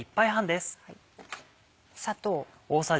砂糖。